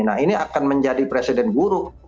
nah ini akan menjadi presiden buruk